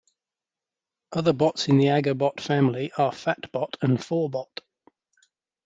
Other bots in the Agobot family are Phatbot and Forbot.